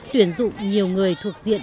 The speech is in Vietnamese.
tuyển dụng nhiều người thuộc diện